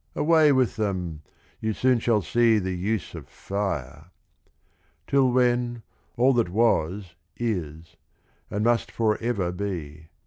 Away with them — You soon shall see the use of fire I Till when, All that was, is; and must forever be.